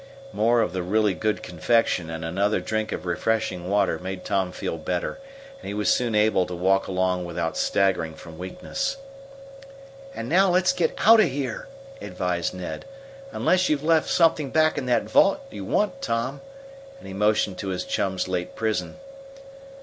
More of the really good confection and another drink of refreshing water made Tom feel better, and he was soon able to walk along without staggering from weakness. "And now let's get out of here," advised Ned, "unless you've left something back in that vault you want, Tom," and he motioned to his chum's late prison.